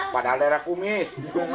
padahal daerah kumis